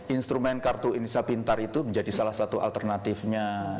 instrumen kartu indonesia pintar itu menjadi salah satu alternatifnya